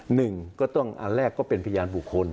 หนึ่งก็ต้องอันแรกก็เป็นพยานบุคคล